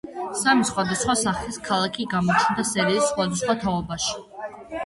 სამი სხვადასხვა სახის ქალაქი გამოჩნდა სერიის სხვადასხვა თაობაში.